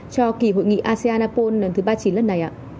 cho kỳ hội nghị asean apol lần thứ ba mươi chín lần này ạ